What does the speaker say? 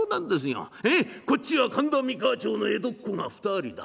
こっちは神田三河町の江戸っ子が２人だ。